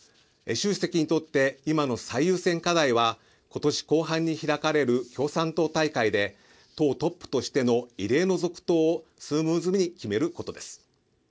習主席にとって今の最優先課題は今年後半に開かれる共産党大会で党トップとしての異例の続投をスムーズに決めることです。